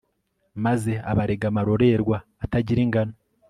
maze abarega amarorerwa atagira ingano